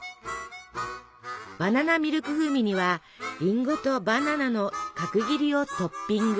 バナナミルク風味にはリンゴとバナナの角切りをトッピング。